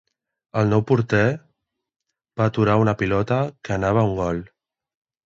El nou porter va aturar una pilota que anava a gol.